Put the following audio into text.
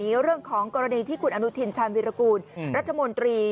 เรื่องของกรณีที่คุณอนุทินชาญวิรากูลรัฐมนตรี